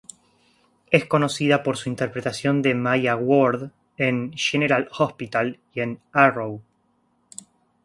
Es conocida por su interpretación de Maya Ward en "General Hospital" y en "Arrow".